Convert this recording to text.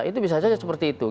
itu bisa saja seperti itu